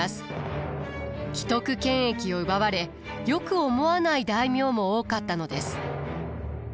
既得権益を奪われよく思わない大名も多かったのです。